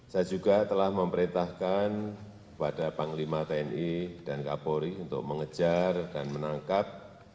saya juga telah memerintahkan kepada panglima tni dan kapolri untuk mengejar dan menangkap